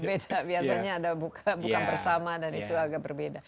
beda biasanya ada buka bersama dan itu agak berbeda